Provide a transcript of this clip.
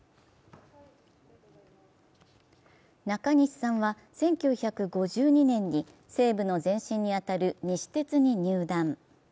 中西さんは１９５２年に西武の前身に当たる西鉄に入団。